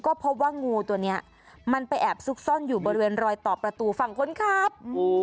ก็พบว่างูตัวนี้มันไปแอบซุกซ่อนอยู่บริเวณรอยต่อประตูฝั่งคนขับ